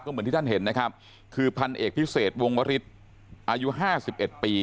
เหมือนที่ท่านเห็นนะครับคือพันเอกพิเศษวงวริสอายุห้าสิบเอ็ดปี